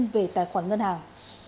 về tài khoản ngân hàng